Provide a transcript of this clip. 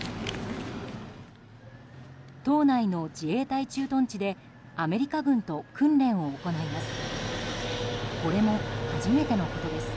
島内の自衛隊駐屯地でアメリカ軍と訓練を行います。